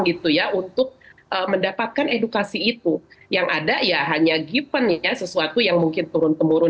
gitu ya untuk mendapatkan edukasi itu yang ada ya hanya given ya sesuatu yang mungkin turun temurun